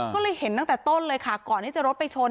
ก็เลยเห็นตอนเลยค่ะก่อนที่จะโรสไปโชน